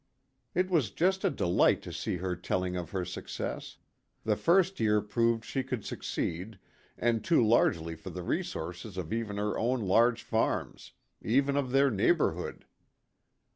It was just a delight to see her telling of her success. The first year proved she could suc ceed, and too largely for the resources of even her own large farms even of their neighbor hood.